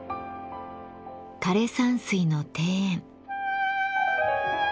枯山水の庭園。